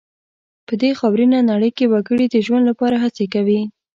په دې خاورینه نړۍ کې وګړي د ژوند لپاره هڅې کوي.